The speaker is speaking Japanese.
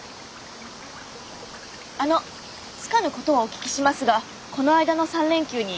あのつかぬことをお聞きしますがこの間の３連休に。